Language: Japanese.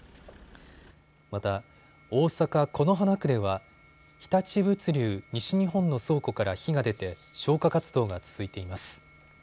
また、大阪此花区では日立物流西日本の倉庫から火が出て消火活動が続いています。